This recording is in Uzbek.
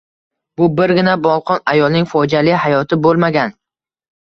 Bu birgina bolqon ayolining fojiali hayoti bo`lmagan